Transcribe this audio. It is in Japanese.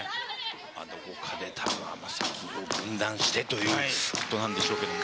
どっかで天咲を分断してということなんでしょうけれども。